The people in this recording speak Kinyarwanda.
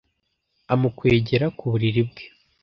amukwegera ku buriri bwe